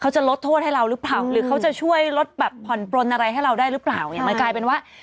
จำเป็นแบบภรปรนได้รึเปล่า